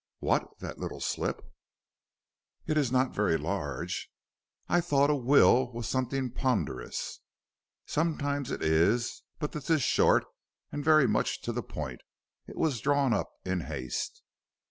"What, that little slip?" "It is not very large." "I thought a will was something ponderous." "Sometimes it is, but this is short and very much to the point; it was drawn up in haste."